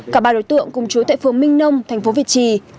cả ba đối tượng cùng chú tại phường minh nông thành phố việt trì